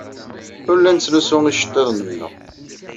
Ur la nettlusu iceḍḍiḍen-nneɣ.